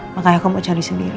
makanya kamu mau cari sendiri